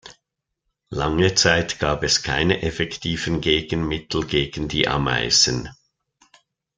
Lange Zeit gab es keine effektiven Gegenmittel gegen die Ameisen.